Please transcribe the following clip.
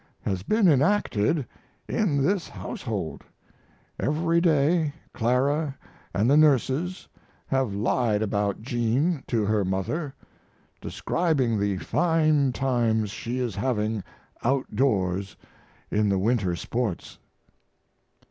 has been enacted in this household. Every day Clara & the nurses have lied about Jean to her mother, describing the fine times she is having outdoors in the winter sports.